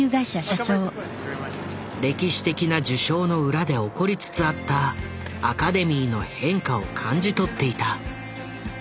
歴史的な受賞の裏で起こりつつあったアカデミーの変化を感じ取っていた。